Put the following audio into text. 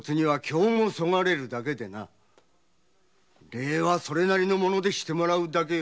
礼はそれなりのものでしてもらうだけよ。